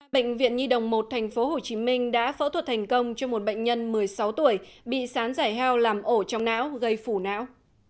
bệnh viện nhi đồng một tp hcm đã phẫu thuật thành công cho một bệnh nhân một mươi sáu tuổi bị sán giải hao làm ổ trong não gây phủ não